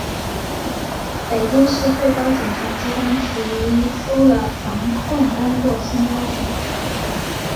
北京市、最高检机关提出了防控工作新要求